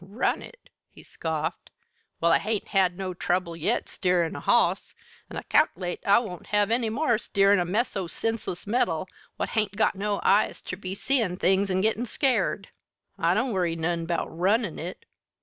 "Run it!" he scoffed. "Well, I hain't had no trouble yet steerin' a hoss, an' I cal'late I won't have any more steerin' a mess o' senseless metal what hain't got no eyes ter be seein' things an' gittin' scared! I don't worry none 'bout runnin' it."